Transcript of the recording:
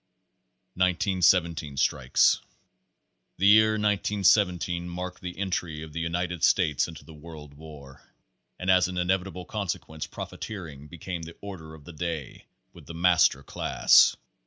1917 Strikes. The year 1917 marked the entry of the United States into the World War, and as an inevitable conse quence profiteering became the order of the day with the master class.